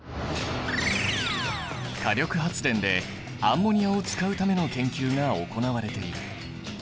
火力発電でアンモニアを使うための研究が行われている。